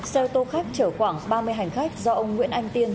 xe ô tô khách chở khoảng ba mươi hành khách do ông nguyễn anh tiên